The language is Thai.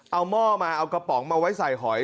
เอาหม้อมาเอากระป๋องมาไว้ใส่หอย